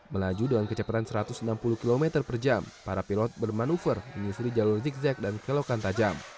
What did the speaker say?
melaju dengan kecepatan satu ratus enam puluh km per jam para pilot bermanuver menyusuri jalur zigzag dan kelokan tajam